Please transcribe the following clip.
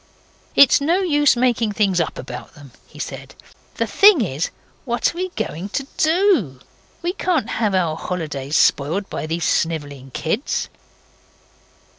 'It's no use making things up about them,' he said. 'The thing is: what are we going to DO? We can't have our holidays spoiled by these snivelling kids.